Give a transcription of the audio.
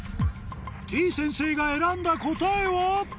てぃ先生が選んだ答えは？